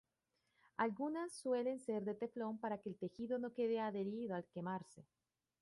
Algunas suelen ser de teflón para que el tejido no quede adherido al quemarse.